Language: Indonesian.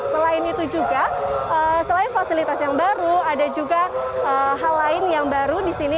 selain itu juga selain fasilitas yang baru ada juga hal lain yang baru di sini